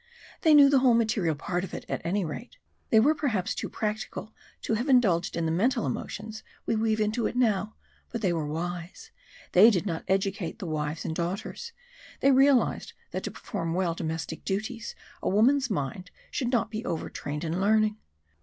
"They knew the whole material part of it at any rate. They were perhaps too practical to have indulged in the mental emotions we weave into it now but they were wise, they did not educate the wives and daughters, they realised that to perform well domestic duties a woman's mind should not be over trained in learning.